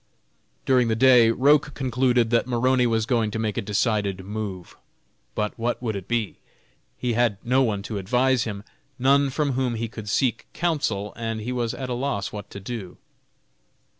During the day Roch concluded that Maroney was going to make a decided move. But what would it be? He had no one to advise him; none from whom he could seek counsel, and he was at a loss what to do.